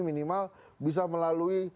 minimal bisa melalui